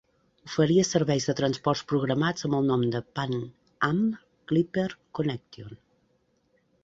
Oferia serveis de transport programats amb el nom de "Pan Am Clipper Connection".